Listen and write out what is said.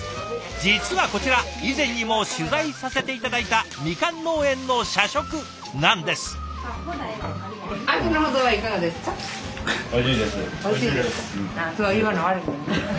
実はこちら以前にも取材させて頂いたみかん農園の社食なんです。